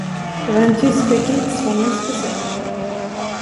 Det var den tyske krigsfångens besök.